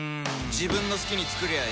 自分の好きに作りゃいい